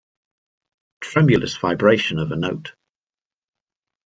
Tremulous vibration of a note.